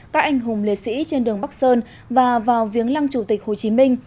các anh hùng liệt sĩ trên đường bắc sơn và vào viếng lăng chủ tịch hồ chí minh